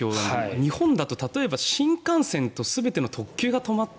日本だと例えば新幹線と全ての特急が止まった。